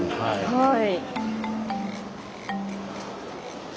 はい。